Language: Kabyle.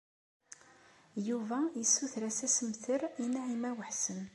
Yuba yessuter-as asemter i Naɛima u Ḥsen.